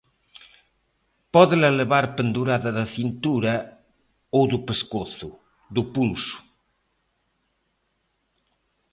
Pódela levar pendurada da cintura ou do pescozo, do pulso.